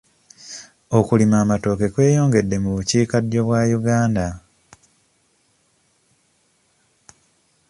Okulima amatooke kweyongedde mu bukiikaddyo bwa Uganda.